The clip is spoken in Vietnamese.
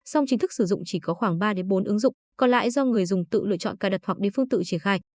song chính thức sử dụng chỉ có khoảng ba bốn ứng dụng còn lại do người dùng tự lựa chọn cài đặt hoặc đi phương tự triển khai